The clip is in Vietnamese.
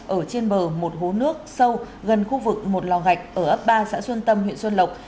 ở trên bờ một hố nước sâu gần khu vực một lò gạch ở ấp ba xã xuân tâm huyện xuân lộc